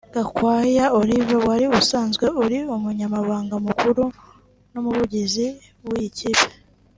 Gakwaya Olivier wari usanzwe ari Umunyamabanga Mukuru n’Umuvugizi w’iyi kipe